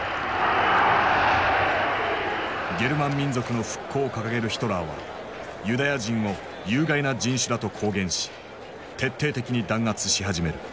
ゲルマン民族の復興を掲げるヒトラーはユダヤ人を「有害な人種」だと公言し徹底的に弾圧し始める。